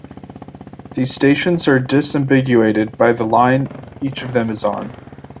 These stations are disambiguated by the line each of them is on.